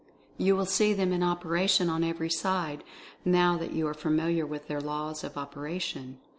You will see them in operation on every side, now that you are familiar with their laws of operation.